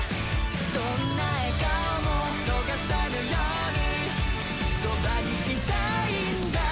どんな笑顔も逃さぬようにそばにいたいんだ！